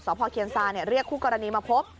ศภอเวียนฟรานเนี่ยเรียกคู่กรณีมาพบ